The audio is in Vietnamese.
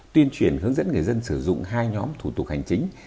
tuyên truyền hướng dẫn người dân sử dụng hai nhóm thủ tục hành chính